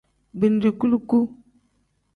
Bindi kuluku.